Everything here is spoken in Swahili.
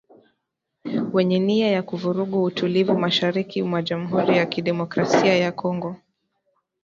wenye nia ya kuvuruga utulivu mashariki mwa Jamhuri ya kidemokrasia ya Kongo